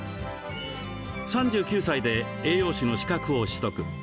３９歳で栄養士の資格を取得。